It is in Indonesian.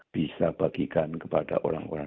bisa bagikan kepada orang orang